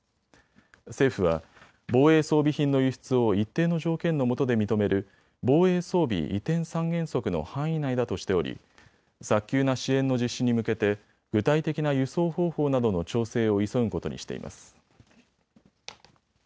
政府は防衛装備品の輸出を一定の条件のもとで認める防衛装備移転三原則の範囲内だとしており早急な支援の実施に向けて具体的な輸送方法などの調整を急ぐことにしています。